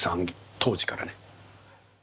当時からね。